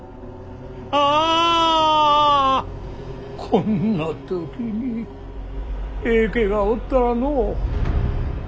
こんな時に平家がおったらの。